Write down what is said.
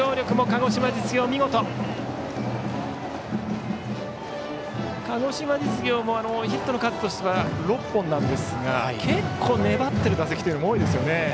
鹿児島実業もヒットの数としては６本なんですが結構、粘ってる打席多いですよね。